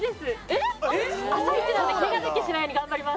朝イチなんでケガだけしないように頑張ります。